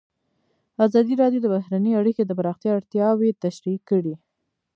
ازادي راډیو د بهرنۍ اړیکې د پراختیا اړتیاوې تشریح کړي.